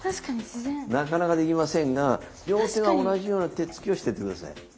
なかなかできませんが両手は同じような手つきをしていて下さい。